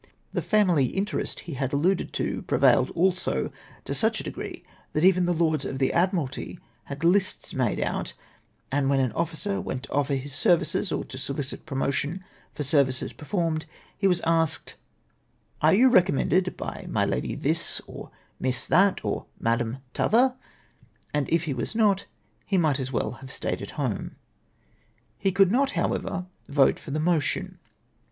The family interest he liad alluded to prevailed also, to such a degree, that even tlie Lords of the Admiralty had lists made out, and w^hen an officer w^ent to offer his services, or to solicit promotion for services performed, he was asked —' Are you recommended l:)y my Lady this, or JVIiss that, or Madam t'other ?' and if he was not, he might as well have stayed at home. " He coidd not, however, vote for the motion.